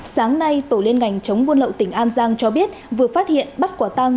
sáng nay tổ liên ngành chống buôn lậu tỉnh an giang cho biết vừa phát hiện bắt quả tăng